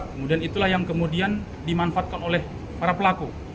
kemudian itulah yang kemudian dimanfaatkan oleh para pelaku